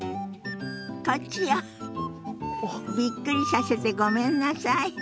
びっくりさせてごめんなさい。